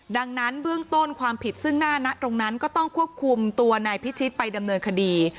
ดังนั้นเบื้องต้นความผิดซึ่งหน้านะตรงนั้นก็ต้องควบคุมตัวนายพิชิตไปดำเนินคดี